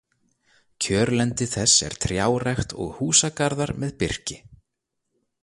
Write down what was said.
Kjörlendi þess er trjárækt og húsagarðar með birki.